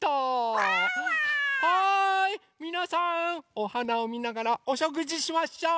おはなをみながらおしょくじしましょう！